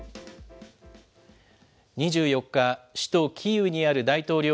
２４日、首都キーウにある大統領